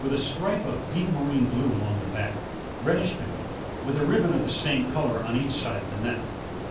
a stripe of deep marine blue along the back ; reddish beneath, with a ribbon of the same colour on each side of the neck.